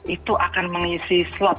itu akan mengisi slot